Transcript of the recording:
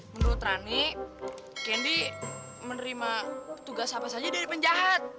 menurut rani kendi menerima tugas apa saja dari penjahat